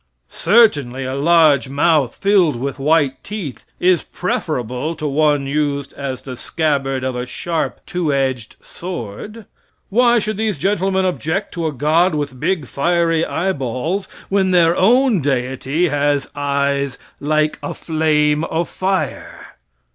Certainly, a large mouth, filled with white teeth, is preferable to one used as the scabbard of a sharp, two edged sword. Why should these gentlemen object to a god with big fiery eyeballs, when their own Deity has eyes like a flame of fire?